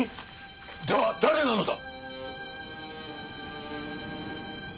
では誰なのだ？